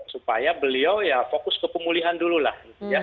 supaya beliau ya fokus ke pemulihan dulu lah